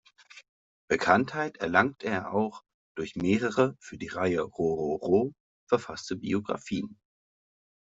Bekanntheit erlangte er auch durch mehrere für die Reihe "rororo" verfasste Biographien.